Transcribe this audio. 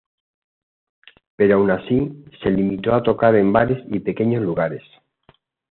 Pero aun así, se limitó a tocar en bares y pequeños lugares.